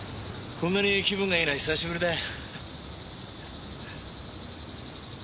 こんなに気分がいいのは久しぶりだよ。